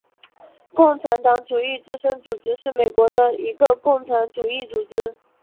共产主义之声组织是美国的一个共产主义组织。